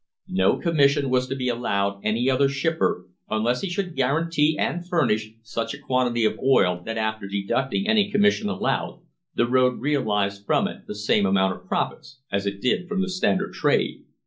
* No commission was to be allowed any other shipper unless he should guarantee and furnish such a quantity of oil that after de ducting any commission allowed, the road realised from it the same amount of profits as it did from the Standard trade.